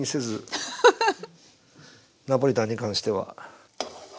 ナポリタンに関しては。